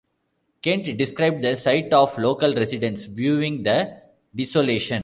Kent described the sight of local residents viewing the desolation.